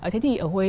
thế thì ở huế